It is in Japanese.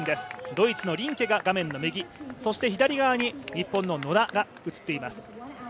ドイツのリンケが画面の右そして左側の日本の野田が映っています。